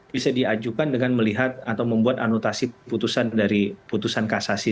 bisa diajukan dengan melihat atau membuat anutasi putusan dari putusan kasasi